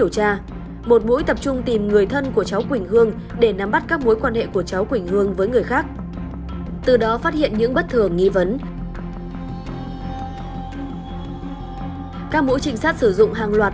các mũ trinh sát sử dụng hàng loạt các đối tượng nghi vấn đối tượng nghi vấn đối tượng nghi vấn